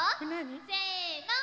せの。